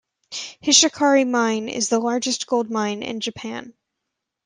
Hishikari mine is the largest gold mine in Japan.